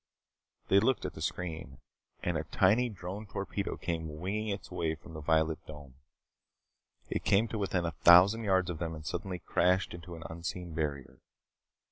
They looked at the screen, and a tiny drone torpedo came winging its way from the violet dome. It came to within a thousand yards of them and suddenly crashed into an unseen barrier.